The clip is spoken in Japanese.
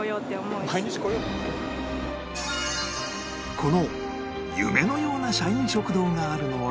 この夢のような社員食堂があるのは